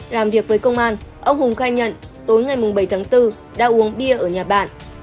làm việc với công an ông hùng khai nhận tối ngày bảy tháng bốn đã uống bia ở nhà bạn